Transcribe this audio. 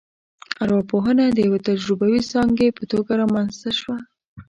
ارواپوهنه د یوې تجربوي ځانګې په توګه رامنځته شوه